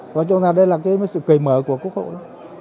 nói chung là đây là cái sự cầy mở của quốc hội